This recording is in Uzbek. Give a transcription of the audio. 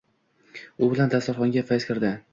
U bilan dasturxonga fayz kirdi.